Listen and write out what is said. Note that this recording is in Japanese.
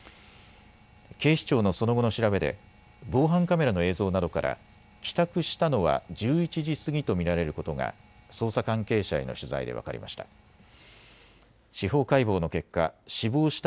警視庁のその後の調べで防犯カメラの映像などから帰宅したのは１１時過ぎと見られることが捜査関係者への取材で分かりました。